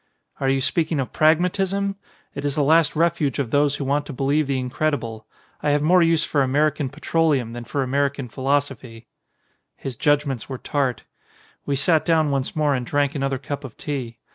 "Are you speaking of Pragmatism? It is the last refuge of those who want to believe the ini credible. I have more use for American petroleum than for American philosophy." His judgments were tart. We sat down once more and drank another cup of tea.